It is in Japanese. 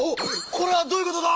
これはどういうことだ